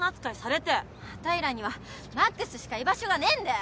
あたいらには魔苦須しか居場所がねえんだよ！